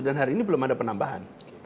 dan hari ini belum ada penambahan